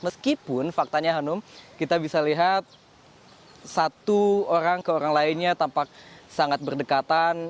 meskipun faktanya hanum kita bisa lihat satu orang ke orang lainnya tampak sangat berdekatan